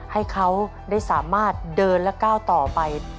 ให้เขาได้สามารถเดินและก้าวต่อไป